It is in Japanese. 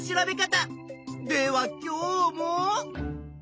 では今日も。